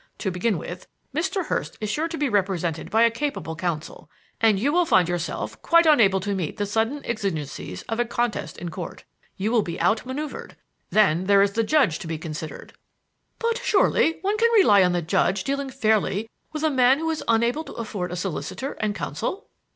To begin with, Mr. Hurst is sure to be represented by a capable counsel, and you will find yourself quite unable to meet the sudden exigencies of a contest in Court. You will be out maneuvered. Then there is the judge to be considered." "But surely one can rely on the judge dealing fairly with a man who is unable to afford a solicitor and counsel?"